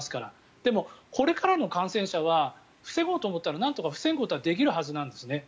でも、これからの感染者は防ごうと思ったらなんとか防ぐことはできるはずなんですね。